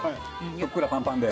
ふっくらパンパンで。